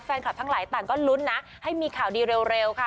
แฟนคลับทั้งหลายต่างก็ลุ้นนะให้มีข่าวดีเร็วค่ะ